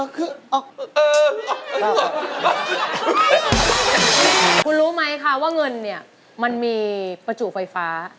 คุณรู้ไหมคะว่าเงินเนี่ยมันมีประจุไฟฟ้า